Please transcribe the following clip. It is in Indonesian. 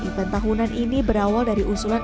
event tahunan ini berawal dari usulan